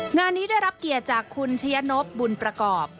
งานนี้ได้รับเกียรติจากคุณชะยะนบบุญประกอบ